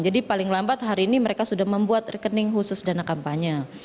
jadi paling lambat hari ini mereka sudah membuat rekening khusus dana kampanye